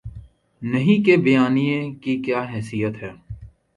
نہیں کے بیانیے کی کیا حیثیت ہے؟